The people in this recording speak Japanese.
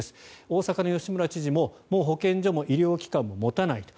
大阪の吉村知事ももう保健所も医療機関も持たないと。